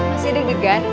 masih hidup juga